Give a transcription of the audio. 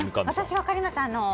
私、分かります。